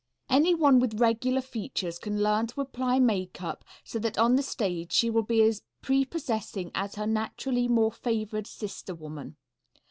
Anyone with regular features can learn to apply makeup so that on the stage she will be as prepossessing as her naturally more favored sister woman.